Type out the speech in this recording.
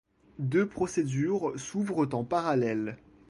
Deux procédures s'ouvrent en parallèle.